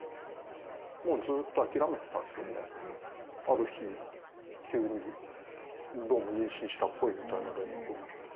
もうずっと諦めてたんですけどね、ある日、急に、どうも妊娠したっぽいという電話を受けて。